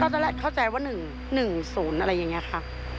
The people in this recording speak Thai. ก็จะแรกเข้าใจว่าหนึ่งหนึ่งศูนย์อะไรอย่างเงี้ยครับ